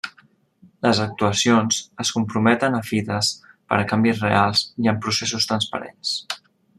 Les actuacions es comprometen a fites per a canvis reals i amb processos transparents.